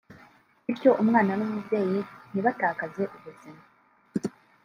bityo umwana n’umubyeyi ntibatakaze ubuzima